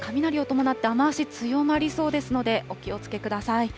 ただ東京は特に午後は、雷を伴って雨足強まりそうですので、お気をつけください。